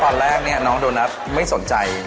ตอนแรกเนี่ยน้องโดนัทไม่สนใจ